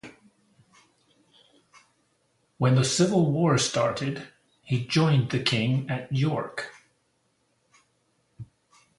When the Civil War started, he joined the king at York.